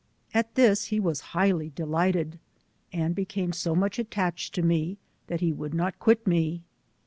At this he was highly delighted, and became so much attached to me^ that he would not quit me.